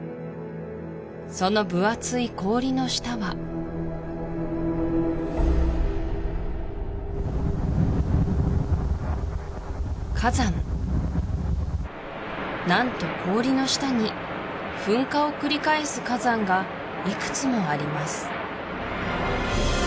その分厚い氷の下は火山何と氷の下に噴火を繰り返す火山がいくつもあります